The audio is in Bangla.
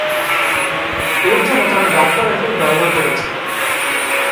এর জন্য তারা ডপলার এফেক্ট ব্যবহার করেছিলেন।